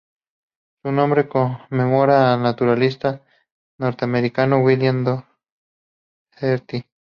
Su nombre conmemora al naturalista norteamericano William Doherty.